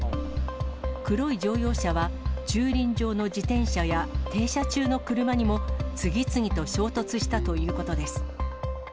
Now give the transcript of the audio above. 黒い乗用車は駐輪場の自転車や停車中の車にも次々と衝突したということです。